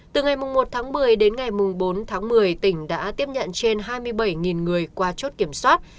từ ngày một tháng một mươi đến ngày bốn tháng một mươi tỉnh đã tiếp nhận trên hai mươi bảy người qua chốt kiểm soát